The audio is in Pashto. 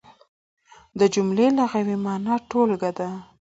د جملې لغوي مانا ټولګه ده.